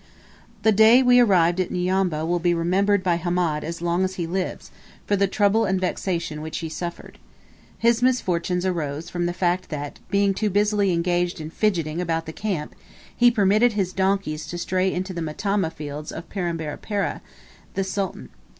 The day we arrived at Nyambwa will be remembered by Hamed as long as he lives, for the trouble and vexation which he suffered. His misfortunes arose from the fact that, being too busily engaged in fidgeting about the camp, he permitted his donkeys to stray into the matama fields of Pembera Pereh, the Sultan.